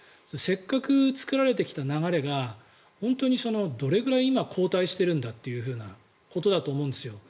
せっかく作られてきた流れが本当にどれくらい今、後退しているんだってことだと思うんですよ。